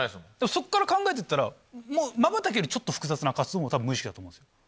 そっから考えてったらまばたきよりちょっと複雑な活動も多分無意識だと思うんですよ。